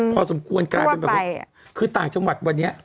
พอสมควรกลายเป็นแบบว่าคือต่างจังหวัดวันนี้